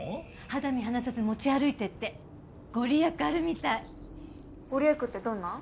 肌身離さず持ち歩いてって御利益あるみたい御利益ってどんな？